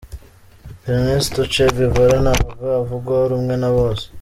Ernesto Che Guevara ntabwo avugwaho rumwe na bose.